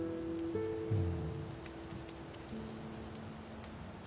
うん。